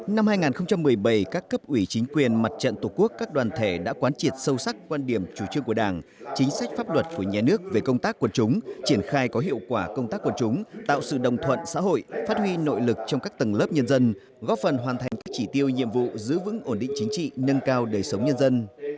năm hai nghìn một mươi bảy các cấp ủy chính quyền mặt trận tổ quốc các đoàn thể đã quán triệt sâu sắc quan điểm chủ trương của đảng chính sách pháp luật của nhà nước về công tác quần chúng triển khai có hiệu quả công tác quần chúng tạo sự đồng thuận xã hội phát huy nội lực trong các tầng lớp nhân dân góp phần hoàn thành các chỉ tiêu nhiệm vụ giữ vững ổn định chính trị nâng cao đời sống nhân dân